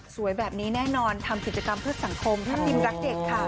สวยแบบนี้แน่นอนทำกิจกรรมเพื่อสังคมทัพทิมรักเด็กค่ะ